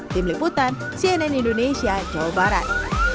tim liputan cnn indonesia jawa barat